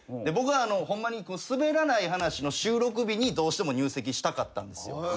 僕はホンマに『すべらない話』の収録日にどうしても入籍したかったんですよ。